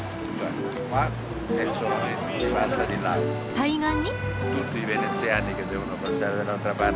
対岸に？